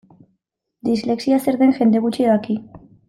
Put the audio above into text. Dislexia zer den jende gutxik daki.